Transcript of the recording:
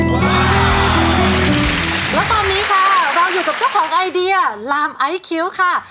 แล้วตอนนี้ค่ะเราอยู่กับเจ้าของไอเดียลามไอซ์คิ้วค่ะ